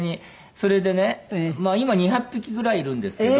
それでね今２００匹ぐらいいるんですけど。